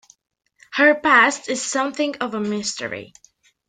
Her past is something of a mystery.